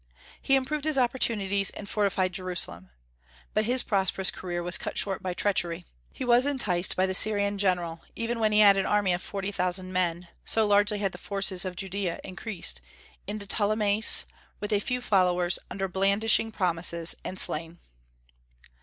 He improved his opportunities and fortified Jerusalem. But his prosperous career was cut short by treachery. He was enticed by the Syrian general, even when he had an army of forty thousand men, so largely had the forces of Judaea increased, into Ptolemais with a few followers, under blandishing promises, and slain.